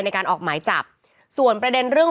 ในการออกหมายจับส่วนประเด็นเรื่อง